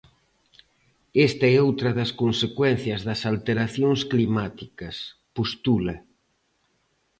Esta é outra das consecuencias das alteracións climáticas, postula.